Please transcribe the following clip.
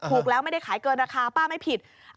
ถูกแล้วไม่ได้ขายเกินราคาป้าไม่ผิด